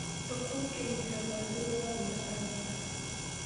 په کور کې مهرباني د الله رضا ده.